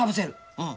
うん。